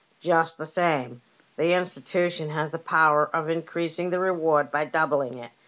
" Just the same. The Institution has the power of increasing the reward by doubling it.